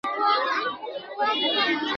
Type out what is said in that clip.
ټولنه د افرادو ټولګه ده.